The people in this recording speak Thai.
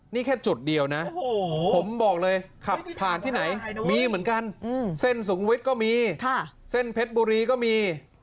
นี่แค่จุดเดียวนะผมบอกเลยขับผ่านที่ไหนมีเหมือนกันเส้นสูงวิทย์ก็มีเส้นเพชรบุรีก็มี